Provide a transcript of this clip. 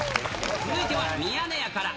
続いてはミヤネ屋から。